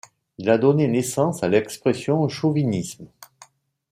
Il a donné naissance à l'expression chauvinisme.